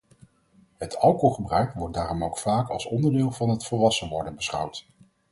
Het alcoholgebruik wordt daarom ook vaak als onderdeel van het volwassen worden beschouwd.